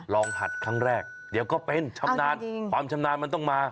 ผัดครั้งแรกเดี๋ยวก็เป็นชำนาญความชำนาญมันต้องมา